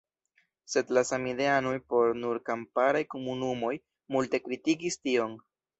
Sed la samideanoj por nur kamparaj komunumoj multe kritikis tion.